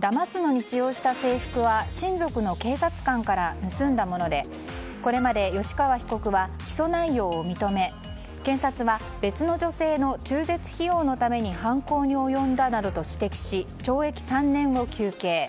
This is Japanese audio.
だますのに使用した制服は親族の警察官から盗んだものでこれまで吉川被告は起訴内容を認め、検察は別の女性の中絶費用のために犯行に及んだなどと指摘し懲役３年を求刑。